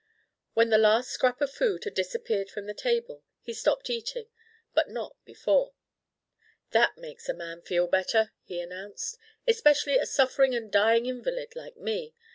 When the last scrap of food had disappeared from the table, he stopped eating, but not before. "That makes a man feel better," he announced, "especially a suffering and dying invalid like me.